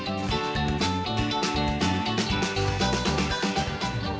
kedua kekuatan kekuatan